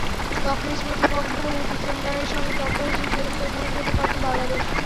তকলিচ প্রতিপক্ষ ডিফেন্ডারের সঙ্গে টক্করে জিতলে একটা গোল পেতে পারত বাংলাদেশ।